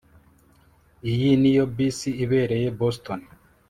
iyi niyo bisi ibereye boston